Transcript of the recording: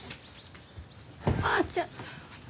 おばあちゃん。